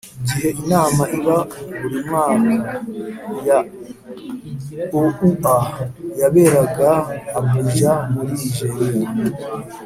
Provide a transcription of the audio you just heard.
gihe inama iba buri mwaka ya oua yaberaga abuja muri nijeriya,